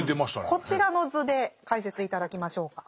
こちらの図で解説頂きましょうか。